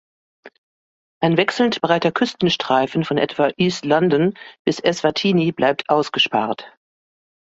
Ein wechselnd breiter Küstenstreifen von etwa East London bis Eswatini bleibt ausgespart.